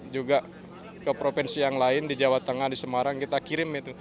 juga ke provinsi yang lain di jawa tengah di semarang kita kirim itu